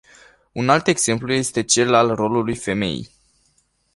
Un alt exemplu este cel al rolului femeii.